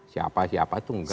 siapa siapa itu enggak